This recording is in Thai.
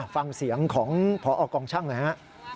ฟังเสียงของพอกองชั่งนะฮะ